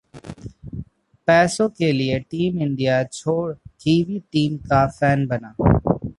पैसों के लिए टीम इंडिया छोड़ कीवी टीम का फैन बना